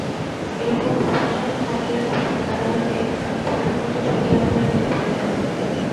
এরকম বিপদজনক হাতিয়ার ভুল কারো হাতে পড়ার মতো ঝুঁকি আমরা নিতে পারি না।